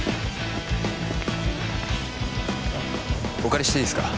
お借りしていいですか？